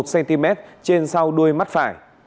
một cm trên sau đuôi mắt phải